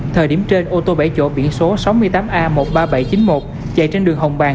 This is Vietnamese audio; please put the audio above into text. thời điểm trên ô tô bảy chỗ biển số sáu mươi tám a một mươi ba nghìn bảy trăm chín mươi một chạy trên đường hồng bàng